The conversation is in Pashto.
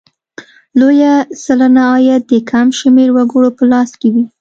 لویه سلنه عاید د کم شمېر وګړو په لاس کې وي.